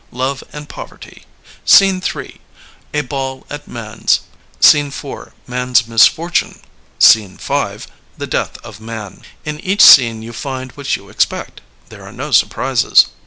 Love and Poverty. Scene III. A Ball at Man's. Scene IV. Man's Mis fortune. Scene V. The Death of Man. In each scene you find what you expect. There are no surprises.